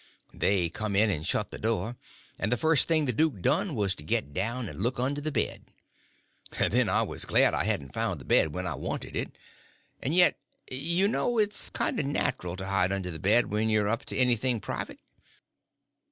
They come in and shut the door; and the first thing the duke done was to get down and look under the bed. Then I was glad I hadn't found the bed when I wanted it. And yet, you know, it's kind of natural to hide under the bed when you are up to anything private.